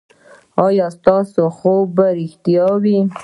ایا ستاسو خوب به ریښتیا وي؟